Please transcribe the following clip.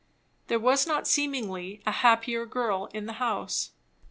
There was not seemingly a happier girl in the house.